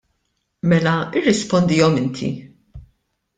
Mela rrispondihom inti.